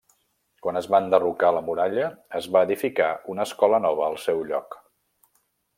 Quan es va enderrocar la muralla, es va edificar una escola nova al seu lloc.